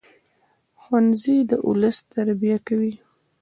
ښوونځی د ولس تربیه کوي